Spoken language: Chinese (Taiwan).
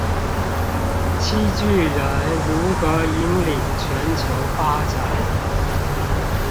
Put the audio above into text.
七巨人如何引領全球發展